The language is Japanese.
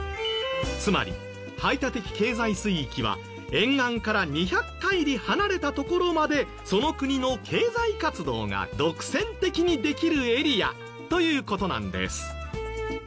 つまり排他的経済水域は沿岸から２００海里離れた所までその国の経済活動が独占的にできるエリアという事なんです。